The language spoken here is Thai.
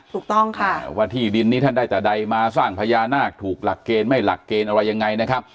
ถูกต้องค่ะว่าที่ดินนี้ท่านได้แต่ใดมาสร้างพญานาคถูกหลักเกณฑ์ไม่หลักเกณฑ์อะไรยังไงนะครับ